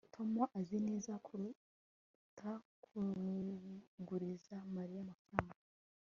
tom azi neza kuruta kuguriza mariya amafaranga